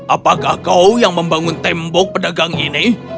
apakah kau yang membangun tembok pedagang ini